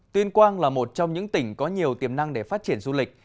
tuyên quang là một trong những tỉnh có nhiều tiềm năng để phát triển du lịch